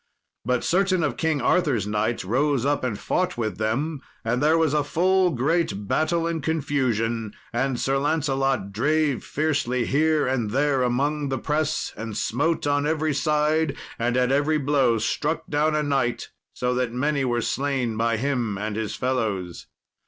But certain of King Arthur's knights rose up and fought with them, and there was a full great battle and confusion. And Sir Lancelot drave fiercely here and there among the press, and smote on every side, and at every blow struck down a knight, so that many were slain by him and his fellows.